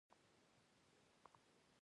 مانا د انسان د زړه آواز دی.